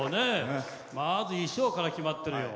まず、衣装から決まってるよ。